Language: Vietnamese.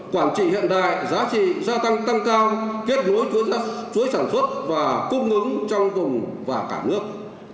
quản trị hiện đại giá trị gia tăng tăng cao kết nối chuỗi sản xuất và cung ứng trong vùng và cả nước